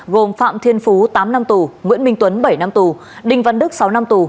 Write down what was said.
gồm phạm thiên phú tám năm tù nguyễn minh tuấn bảy năm tù đinh văn đức sáu năm tù